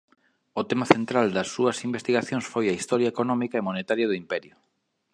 O tema central das súas investigacións foi a historia económica e monetaria do Imperio.